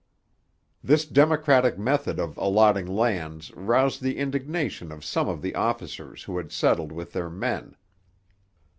This democratic method of allotting lands roused the indignation of some of the officers who had settled with their men.